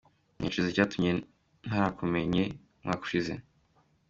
Nicuza icyatumye ntarakumenye umwaka ushize.